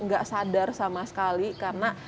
nggak sadar sama sekali karena